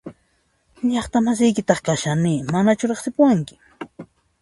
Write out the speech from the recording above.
Llaqta masiykitaq kashani ¿Manachu riqsipuwanki?